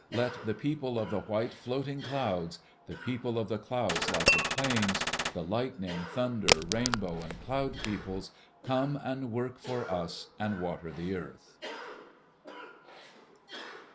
Let the people of the white floating clouds, the people of the clouds like the plains the lightning, thunder, rain bow, and cloud peoples come and work for us, and water the earth.